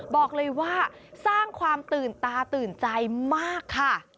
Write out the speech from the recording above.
บอกเลยว่าสร้างความตื่นตาตื่นใจมากค่ะ